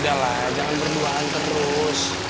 udah lah jangan berduaan terus